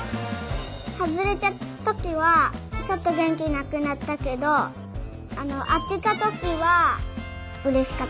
はずれちゃったときはちょっとげんきなくなったけどあのあてたときはうれしかった。